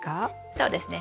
そうですね。